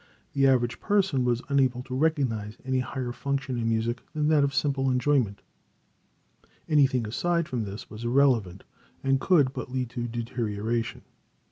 The average person was unable to recognize any higher function in music than that of simple enjoyment; anything aside from this was irrelevant, and could but lead to deterioration.